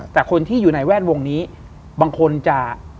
แต่คนที่อยู่ในแวดวงนี้บางคนจะ